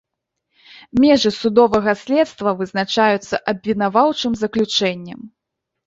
Межы судовага следства вызначаюцца абвінаваўчым заключэннем.